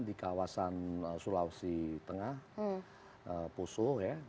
di kawasan sulawesi tengah poso